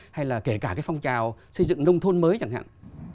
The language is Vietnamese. hay là kể cả cái phong trào xây dựng nông thôn mới chẳng hạn